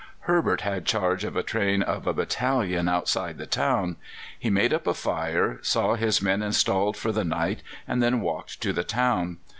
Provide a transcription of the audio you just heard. Herbert had charge of a train of a battalion outside the town. He made up a fire, saw his men installed for the night, and then walked to the town.